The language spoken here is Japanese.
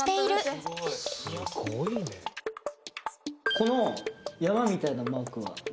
この山みたいなマークは何？